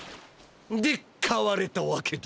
で買われたわけだ。